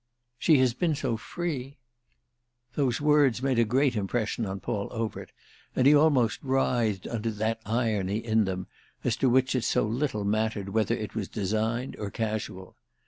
"She has been so free!" Those words made a great impression on Paul Overt, and he almost writhed under that irony in them as to which it so little mattered whether it was designed or casual.